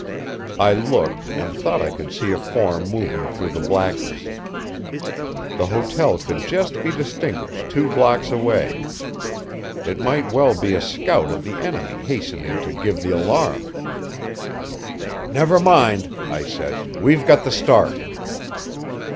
I looked, and thought I could see a form moving through the blackness. The hotel could just be distinguished two blocks away. It might well be a scout of the enemy hastening to give the alarm. "Never mind," I said. "We've got the start."